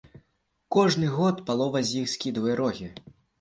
Кожны год палова з іх скідвае рогі.